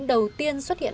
đầu tiên xuất hiện